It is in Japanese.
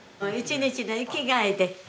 一日の生きがいで。